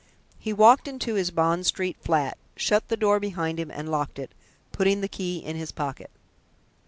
He walked into his Bond Street flat, shut the door behind him and locked it, putting the key in his pocket.